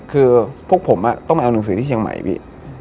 คือพวกผมต้องไปเอาหนังสือที่เชียงใหม่พี่